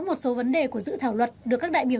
một số vấn đề của dự thảo luật được các đại biểu